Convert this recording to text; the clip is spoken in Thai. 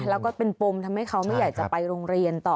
แล้วก็เป็นปมทำให้เขาไม่อยากจะไปโรงเรียนต่อ